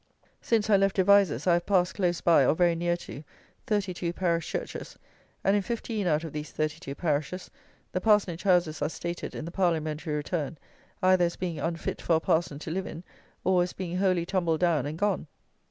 Since I left Devizes, I have passed close by, or very near to, thirty two parish churches; and in fifteen out of these thirty two parishes the parsonage houses are stated, in the parliamentary return, either as being unfit for a parson to live in, or, as being wholly tumbled down and gone!